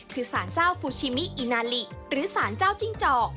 คือสารเจ้าฟูชิมินาลิหรือสารเจ้าจิ้งจอก